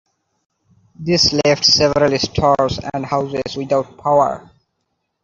This left several stores and houses without power.